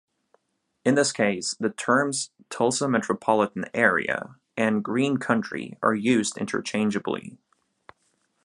In this case, the terms "Tulsa Metropolitan Area" and "Green Country" are used interchangeably.